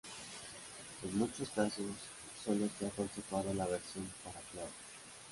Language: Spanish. En muchos casos solo se ha conservado la versión para clave.